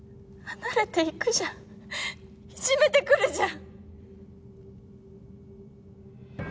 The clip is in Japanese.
離れていくじゃんいじめてくるじゃん！